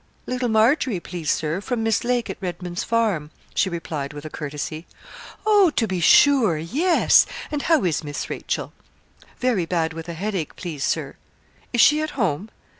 'Little Margery, please Sir, from Miss Lake at Redman's Farm,' she replied with a courtesy. 'Oh! to be sure, yes. And how is Miss Rachel?' 'Very bad with a headache, please, Sir.' 'Is she at home?'